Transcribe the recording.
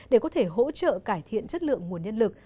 để có thể hỗ trợ cải thiện chất lượng nguồn nhân lực